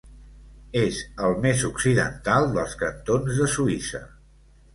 És el més occidental dels cantons de Suïssa.